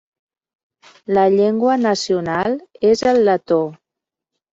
La llengua nacional és el letó.